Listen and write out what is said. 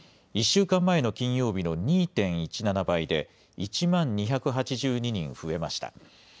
１週間前の金曜日の２．１７倍で、１万２８２人増えました。